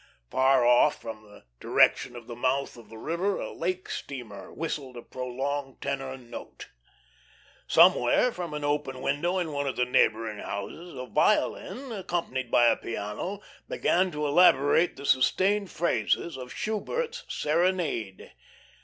Far off, from the direction of the mouth of the river, a lake steamer whistled a prolonged tenor note. Somewhere from an open window in one of the neighbouring houses a violin, accompanied by a piano, began to elaborate the sustained phrases of "Schubert's Serenade."